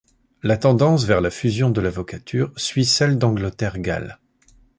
La tendance vers la fusion de l'avocature suit celle d'Angleterre-Galles.